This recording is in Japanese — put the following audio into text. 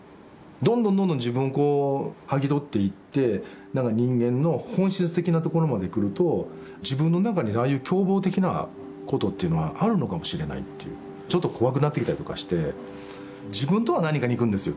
どんどんどんどん自分をこう剥ぎ取っていってなんか人間の本質的なところまで来ると自分の中にああいう凶暴的なことっていうのはあるのかもしれないっていうちょっと怖くなってきたりとかして「自分とは何か」にいくんですよ